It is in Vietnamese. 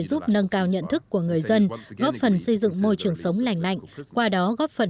giúp nâng cao nhận thức của người dân góp phần xây dựng môi trường sống lành mạnh qua đó góp phần